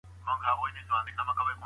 څنګه هېوادونه خپل سفیران بیرته غواړي؟